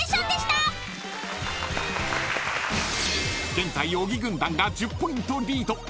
［現在小木軍団が１０ポイントリード］